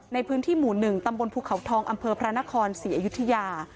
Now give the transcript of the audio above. ในพื้นที่หมู่๑ตำบลภูเขาทองอำเภอพระนครศรีอยุธยา